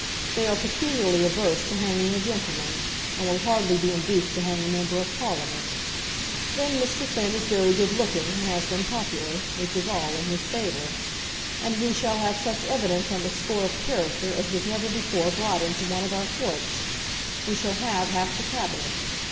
They are peculiarly averse to hanging a gentleman, and will hardly be induced to hang a member of Parliament. Then Mr. Finn is very good looking, and has been popular, which is all in his favour. And we shall have such evidence on the score of character as was never before brought into one of our courts. We shall have half the Cabinet.